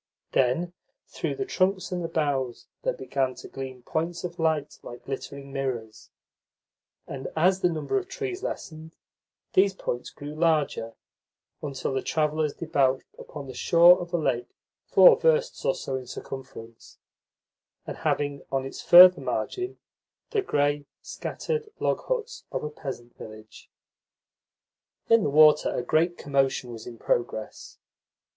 Then through the trunks and the boughs there began to gleam points of light like glittering mirrors, and as the number of trees lessened, these points grew larger, until the travellers debouched upon the shore of a lake four versts or so in circumference, and having on its further margin the grey, scattered log huts of a peasant village. In the water a great commotion was in progress.